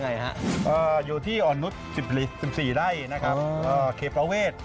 อยู่ที่ออนุส๑๔ได้ครับเคพประเวท